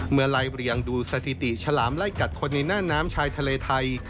เมื่อไร่เรียงดูสถิติชาลามไล่กัดคนในน้ำชายทะเลไทย